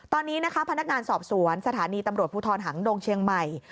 ตอนนี้นะคะพนักงานสอบสวนสถานีตำรวจภูทรหังดงเชียงใหม่